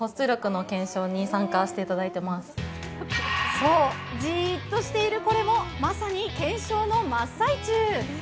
そう、じっとしているこれも、まさに検証の真っ最中。